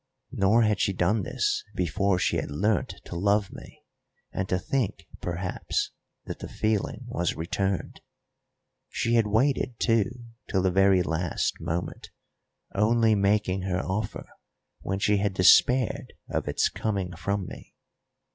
Nor had she done this before she had learnt to love me, and to think, perhaps, that the feeling was returned. She had waited, too, till the very last moment, only making her offer when she had despaired of its coming from me.